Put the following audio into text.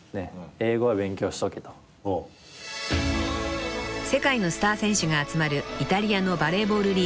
［世界のスター選手が集まるイタリアのバレーボールリーグセリエＡ］